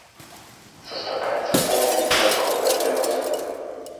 Сустракаюцца поўныя і частковыя альбіносы.